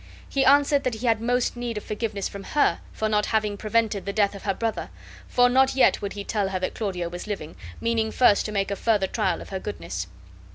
He answered that he had most need of forgiveness from her for not having prevented the death of her brother for not yet would he tell her that Claudio was living; meaning first to make a further trial of her goodness.